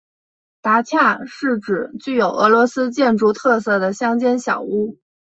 达恰是指具有俄罗斯建筑特色的乡间小屋。